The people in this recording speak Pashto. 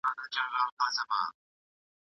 لویه جرګه څنګه د نویو ننګونو پر وړاندې مبارزه کوي؟